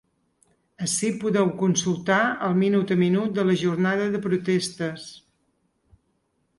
Ací podeu consultar el minut-a-minut de la jornada de protestes.